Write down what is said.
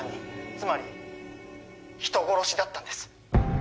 つまり人殺しだったんです